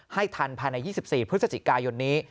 ให้ทันภายใน๒๔พฤศจิกายนนี้